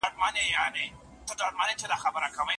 استاد بېلتون